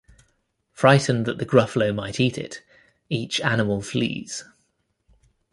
Frightened that the gruffalo might eat it, each animal flees.